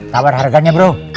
tawar harganya bro